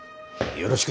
よろしく。